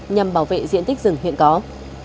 nhằm bảo vệ diện tích rừng hiện tại